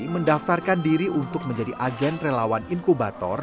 mendaftarkan diri untuk menjadi agen relawan inkubator